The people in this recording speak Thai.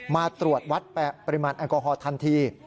มาตรวจวัดปริมาณแอลกอฮอลทันที